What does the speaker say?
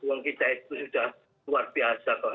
uang kita itu sudah luar biasa kok